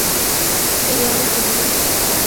El lago Escondido quedaba dentro de esas tierras.